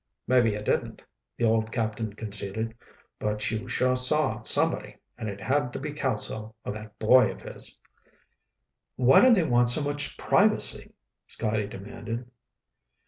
"Maybe you didn't," the old captain conceded. "But you sure saw somebody, and it had to be Kelso or that boy of his." "Why do they want so much privacy?" Scotty demanded.